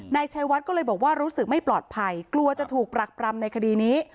นายชัยวัดก็เลยบอกว่ารู้สึกไม่ปลอดภัยกลัวจะถูกปรักปรำในคดีนี้